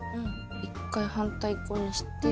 １回反対側にして。